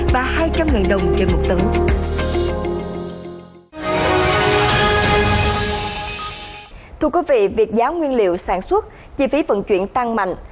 vì việc giáo nguyên liệu sản xuất chi phí phận chuyển tăng mạnh